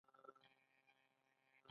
آزاد تجارت مهم دی ځکه چې سیاحت پرمختګ کوي.